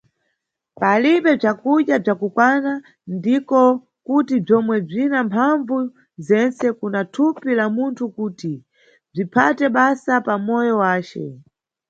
Palibe bzakudya bzakukwana ndiko kuti bzomwe bzina mphambvu zentse kuna thupi la munthu kuti bziphate basa pa moyo wace.